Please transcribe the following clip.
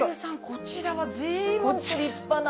こちらは随分立派な。